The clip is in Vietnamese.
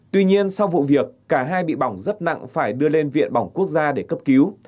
tuy nhiên sau vụ việc cả hai bị bỏng rất nặng phải đưa lên viện bỏng quốc gia để cấp cứu